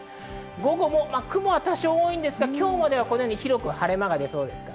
午後も雲は多少多いんですが、今日までは広く晴れ間がでそうです。